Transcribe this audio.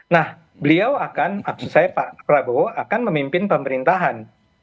nah beliau akan maksud saya pak prabowo akan memimpin pemerintahan